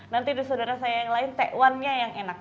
nanti di saudara saya yang lain t satu nya yang enak